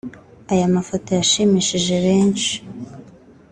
Aya mafoto yashimishije benshi